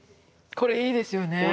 これいいですよね。